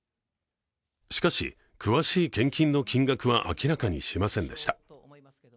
しかし、詳しい献金の金額は明らかにしませんでした。